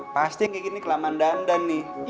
pasti yang kayak gini kelamaan dandan nih